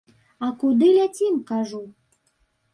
А куды ляцім, кажу?